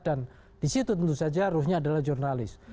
dan disitu tentu saja arusnya adalah jurnalis